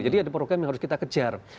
ada program yang harus kita kejar